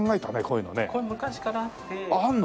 これ昔からあって。